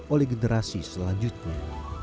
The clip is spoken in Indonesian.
oleh generasi selanjutnya